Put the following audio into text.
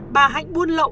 bà hạnh buôn lậu